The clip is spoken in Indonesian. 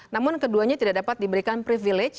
namun keduanya tidak dapat diberikan privilege